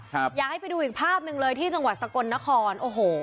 อยากให้ไปดูอีกภาพหนึ่งเลยที่จังหวัดสกลนครโอ้โห